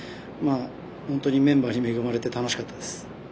本当にいいメンバーに恵まれて楽しかったです。